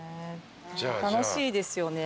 楽しいですよね。